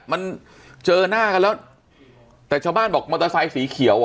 มันเจอหน้ากันแล้วแต่ชาวบ้านบอกมอเตอร์ไซค์สีเขียวอ่ะ